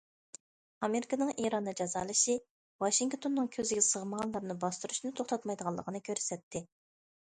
ئامېرىكىنىڭ ئىراننى جازالىشى، ۋاشىنگتوننىڭ كۆزىگە سىغمىغانلارنى باستۇرۇشنى توختاتمايدىغانلىقىنى كۆرسەتتى.